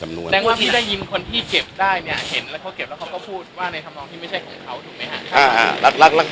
จริงไหมครับ